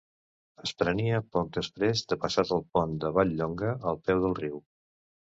Es prenia poc després de passat el pont de Vall-llonga, al peu del riu.